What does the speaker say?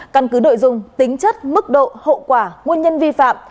căn cứ đội dung tính chất mức độ hậu quả nguyên nhân vi phạm